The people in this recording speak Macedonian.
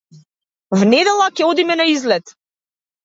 В недела ќе одиме на излет.